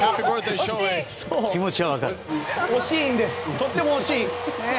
とても惜しい。